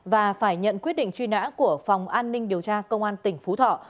và phải nhận quyết định truy nã của phòng an ninh điều tra công an tỉnh phú thọ